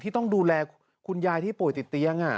ต้องดูแลคุณยายที่ป่วยติดเตียง